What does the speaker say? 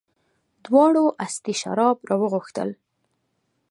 دواړو استي شراب راوغوښتل.